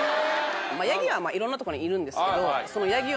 ヤギはいろんなとこにいるんですけど。